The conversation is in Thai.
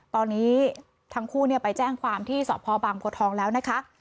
ตอนนี้ทั้งคู่ไปแจ้งความที่สพบางบัวทองแล้วนะคะ